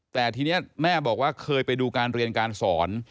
แต่ทีนี้แม่บอกว่าเคยไปดูการเรียนการสอน